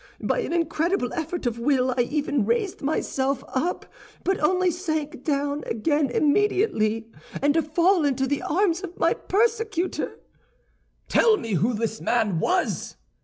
By an incredible effort of will I even raised myself up, but only to sink down again immediately, and to fall into the arms of my persecutor." "Tell me who this man was!"